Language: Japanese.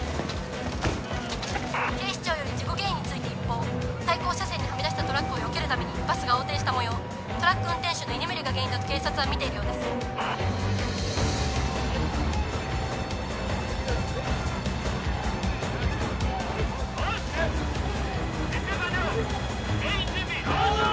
警視庁より事故原因について一報対向車線にはみ出したトラックをよけるためにバスが横転したもようトラック運転手の居眠りが原因だと警察はみているようです・牽引準備はい！